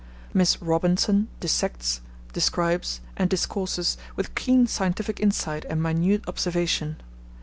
Miss Robinson dissects, describes, and discourses with keen scientific insight and minute observation.